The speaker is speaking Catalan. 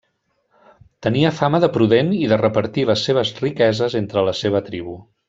Tenia fama de prudent i de repartir les seves riqueses entre la seva tribu.